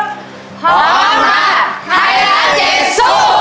พร้อมค่ะไทราเจสู